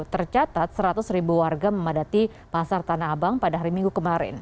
tercatat seratus ribu warga memadati pasar tanah abang pada hari minggu kemarin